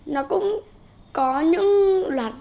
nó cũng có những loạt